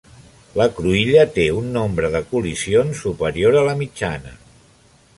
La cruïlla té un nombre de col·lisions superior a la mitjana.